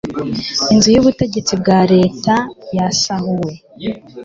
Inzu yubutegetsi bwa leta yasahuwe